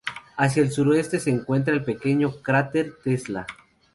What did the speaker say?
Hacia el suroeste se encuentra el pequeño cráter Tesla.